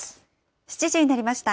７時になりました。